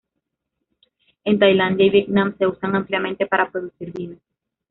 En Tailandia y Vietnam se usa ampliamente para producir vino.